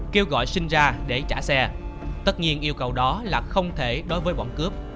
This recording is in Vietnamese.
kêu gọi sinh ra để trả xe tất nhiên yêu cầu đó là không thể đối với bọn cướp